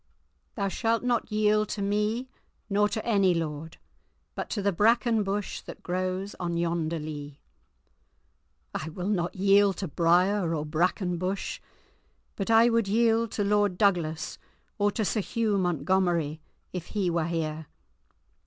"Thou shalt not yield to me or to any lord, but to the bracken bush that grows on yonder lea!" "I will not yield to briar or bracken bush, but I would yield to Lord Douglas or to Sir Hugh Montgomery, if he were here."